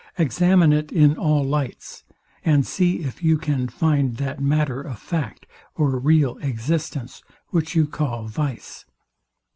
Examine it in all lights, and see if you can find that matter of fact, or real existence, which you call vice.